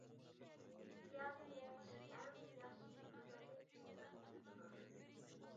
پىيادە مېڭىش ئەڭ ياخشى گۈزەللىك گىمناستىكىسىدۇر.